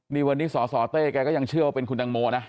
นี่วันนี้สสเต้แกก็ยังเชื่อว่าเป็นคุณตังโมนะ